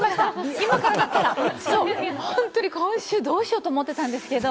今からだったら、今週どうしようと思ってたんですけれども。